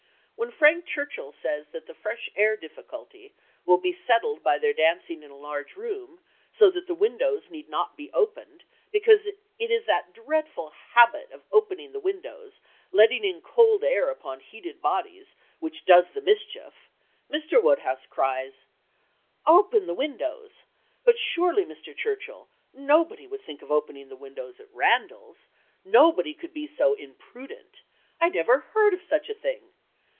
When Frank Churchill says that the fresh air difficulty will be settled by their dancing in a large room, so that the windows need not be opened, because "it is that dreadful habit of opening the windows, letting in cold air upon heated bodies, which does the mischief," Mr. Woodhouse cries "'Open the windows! but surely, Mr. Churchill, nobody would think of opening the windows at Randalls. Nobody could be so imprudent! I never heard of such a thing.